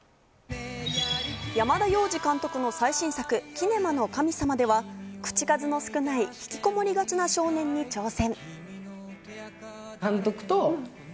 山田洋次監督の最新作『キネマの神様』では口数の少ない、ひきこもりがちな少年に挑戦。